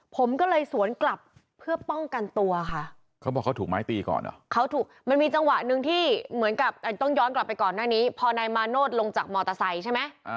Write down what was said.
ผมก็เลยสวนกลับเพื่อป้องกันตัวค่ะเขาบอกเขาถูกไม้ตีก่อนเหรอเขาถูกมันมีจังหวะหนึ่งที่เหมือนกับต้องย้อนกลับไปก่อนหน้านี้พอนายมาโนธลงจากมอเตอร์ไซค์ใช่ไหม